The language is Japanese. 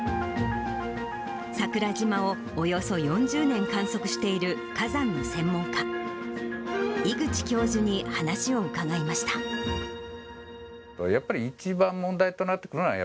桜島をおよそ４０年観測している火山の専門家、井口教授に話を伺やっぱり一番問題となってくるのは、